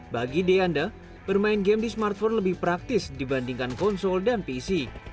bagi deanda bermain game di smartphone lebih praktis dibandingkan konsol dan pc